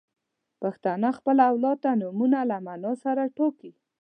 • پښتانه خپل اولاد ته نومونه له معنا سره ټاکي.